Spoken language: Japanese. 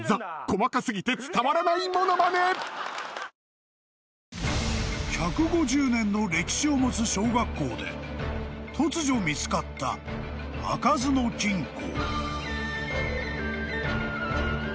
ニトリ［１５０年の歴史を持つ小学校で突如見つかった開かずの金庫］